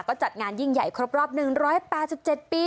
ก็จัดงานยิ่งใหญ่ครบรอบหนึ่งร้อยแปดสิบเจ็ดปี